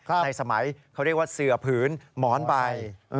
ในสมัยเขาเรียกว่าเสือผืนหมอนใบ